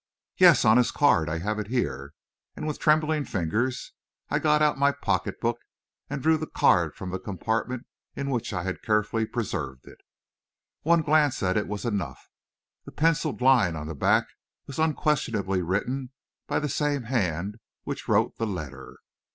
"Yes; on his card; I have it here!" and with trembling fingers, I got out my pocket book and drew the card from the compartment in which I had carefully preserved it. One glance at it was enough. The pencilled line on the back was unquestionably written by the same hand which wrote the letter.